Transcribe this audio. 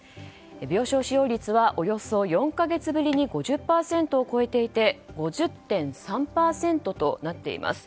病床使用率はおよそ４か月ぶりに５０％を超えていて５０．３％となっています。